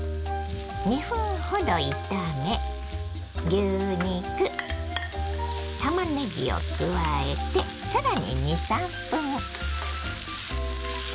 ２分ほど炒め牛肉たまねぎを加えて更に２３分。